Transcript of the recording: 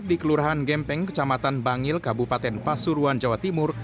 di kelurahan gempeng kecamatan bangil kabupaten pasuruan jawa timur